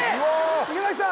池崎さん